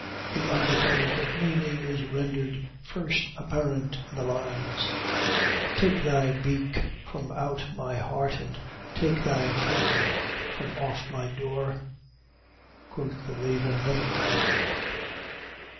The undercurrent of meaning is rendered first apparent in the lines "'Take thy beak from out my heart, and take thy form from off my door!' Quoth the Raven 'Nevermore!'"